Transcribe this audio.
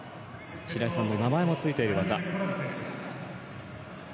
白井さんの名前もついている技。